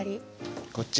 こっち？